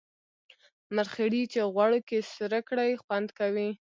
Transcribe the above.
مرخیړي چی غوړو کی سره کړی خوند کوي